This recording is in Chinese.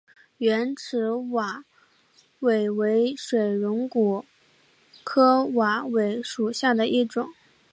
圆齿瓦韦为水龙骨科瓦韦属下的一个种。